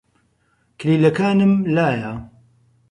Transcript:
کلیلەکانمم لایە.